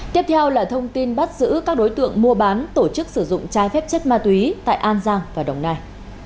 tiếp theo là thông tin bắt giữ các đối tượng mua bán tổ chức sử dụng trái phép chất ma túy tại an giang và đồng nai